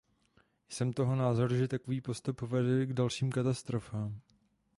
Jsem toho názoru, že takový postup povede k dalším katastrofám.